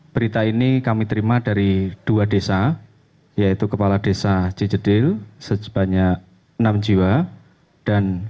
berita ini kami terima dari dua desa yaitu kepala desa cijedil sebanyak enam jiwa